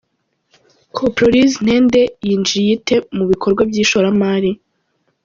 Coproriz Ntende yinjiye ite mu bikorwa by’ishoramari?.